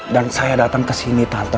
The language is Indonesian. dan saya datang kesini tante